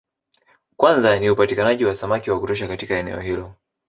Kwanza ni upatikanaji wa samaki wa kutosha katika eneo hilo